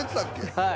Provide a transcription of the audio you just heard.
はい。